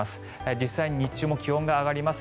実際に日中も気温が上がります。